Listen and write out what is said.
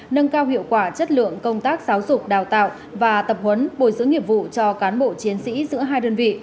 nâng cao hiệu quả chất lượng công tác giáo dục đào tạo và tập huấn bồi dưỡng nghiệp vụ cho cán bộ chiến sĩ giữa hai đơn vị